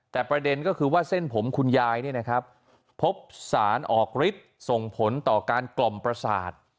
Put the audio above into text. แต่ประเด็นก็คือว่าเส้นผมคุณยายพบสารออกฤทธิ์ส่งผลต่อการกล่อมประสาท